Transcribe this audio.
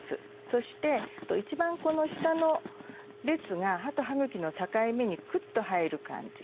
そして一番この下の列が歯と歯ぐきの境目にクッと入る感じ。